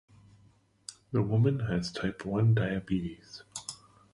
The woman has type-one diabetes.